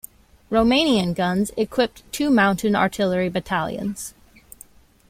Romanian guns equipped two mountain artillery battalions.